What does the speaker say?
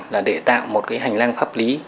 là để tạo một hành lang pháp lý